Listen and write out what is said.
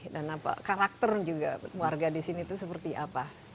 apa karakter juga warga di sini itu seperti apa